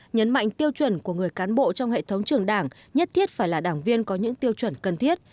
nhấn mạnh tiêu chuẩn của người cán bộ trong hệ thống trường đảng nhất thiết phải là đảng viên có những tiêu chuẩn cần thiết